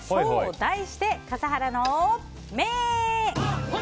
題して、笠原の眼！